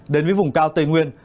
đến với vùng cao tây nguyên